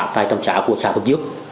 tài tầm trá của trạng hợp giúp